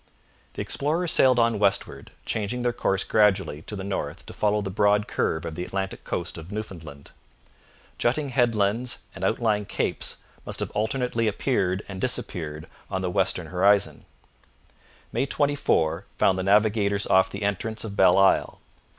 The explorers sailed on westward, changing their course gradually to the north to follow the broad curve of the Atlantic coast of Newfoundland. Jutting headlands and outlying capes must have alternately appeared and disappeared on the western horizon. May 24, found the navigators off the entrance of Belle Isle.